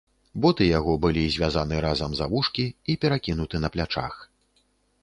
Боты яго былі звязаны разам за вушкі і перакінуты на плячах.